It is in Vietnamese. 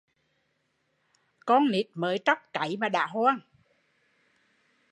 Con nít mới tróc cáy mà đã hoang